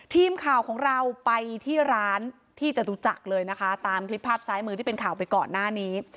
ทีมข่าวของเราไปที่ร้านที่จตุจักรเลยนะคะตามคลิปภาพซ้ายมือที่เป็นข่าวไปก่อนหน้านี้